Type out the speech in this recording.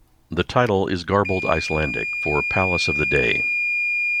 The title is garbled Icelandic for "Palace of the Day".